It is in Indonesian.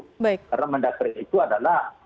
karena mendakri itu adalah